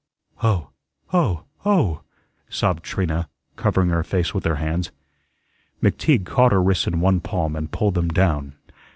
"Oh! Oh! Oh!" sobbed Trina, covering her face with her hands. McTeague caught her wrists in one palm and pulled them down.